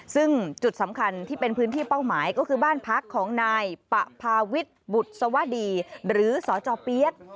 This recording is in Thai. ซึ่งจุดสำคัญที่เป็นพื้นที่เป้าหมายก็คือบ้านพักของนายปะพาวิทย์บุษวดีหรือสจเปี๊ยก